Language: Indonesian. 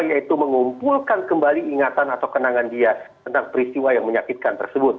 yaitu mengumpulkan kembali ingatan atau kenangan dia tentang peristiwa yang menyakitkan tersebut